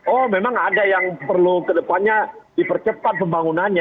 oh memang ada yang perlu kedepannya dipercepat pembangunannya